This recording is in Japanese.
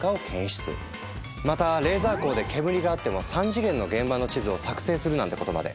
またレーザー光で煙があっても３次元の現場の地図を作成するなんてことまで。